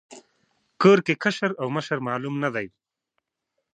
کور کې کشر او مشر معلوم نه دی.